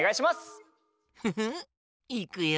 フフッいくよ。